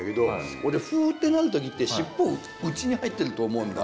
俺フーッてなる時って尻尾内に入ってると思うんだ。